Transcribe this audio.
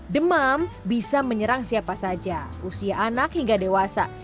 demam bisa menyerang siapa saja usia anak hingga dewasa